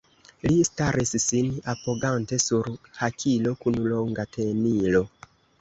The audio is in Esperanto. Li staris, sin apogante sur hakilo kun longa tenilo.